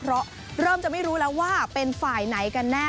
เพราะเริ่มจะไม่รู้แล้วว่าเป็นฝ่ายไหนกันแน่